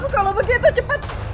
kalau begitu cepat